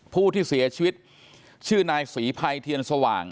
ผู้ที่เสียชีวิตชื่อนายศรีภัยเทียนสว่าง